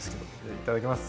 いただきます。